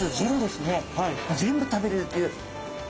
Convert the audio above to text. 全部食べれるっていう。